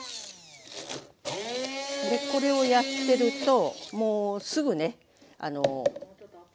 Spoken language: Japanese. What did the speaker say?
これをやってるともうすぐね。